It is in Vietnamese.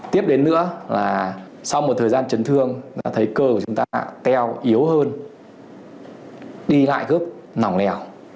tiếp đến nữa là sau một thời gian chấn thương chúng ta thấy cơ của chúng ta teo yếu hơn đi lại khớp nỏng nẻo